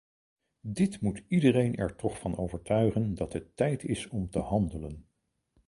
Dit moet iedereen er toch van overtuigen dat het tijd is om te handelen.